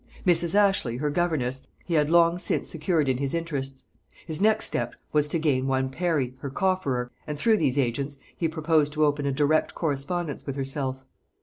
Mrs. Ashley, her governess, he had long since secured in his interests; his next step was to gain one Parry, her cofferer, and through these agents he proposed to open a direct correspondence with herself.